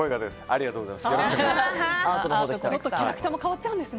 ありがとうございます。